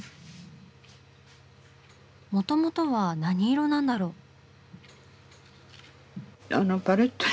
もともとは何色なんだろう？